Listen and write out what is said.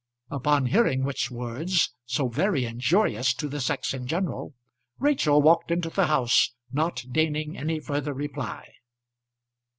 Upon hearing which words, so very injurious to the sex in general, Rachel walked into the house not deigning any further reply.